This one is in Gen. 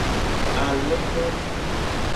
Alenovi.